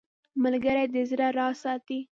ملګری د زړه راز ساتي